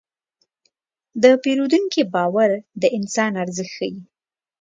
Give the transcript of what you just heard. د پیرودونکي باور د انسان ارزښت ښيي.